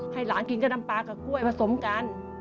ให้หลานกินก็น้ำปลากับกล้วยผสมกัน